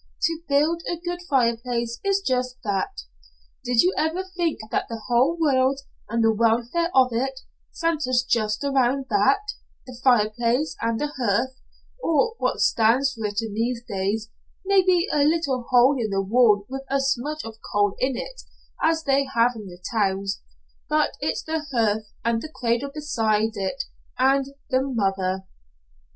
To build a good fireplace is just that. Did you ever think that the whole world and the welfare of it centers just around that; the fireplace and the hearth or what stands for it in these days maybe a little hole in the wall with a smudge of coal in it, as they have in the towns but it's the hearth and the cradle beside it and the mother."